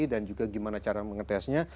dan juga gimana cara mengetesnya